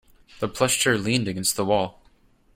The plush chair leaned against the wall.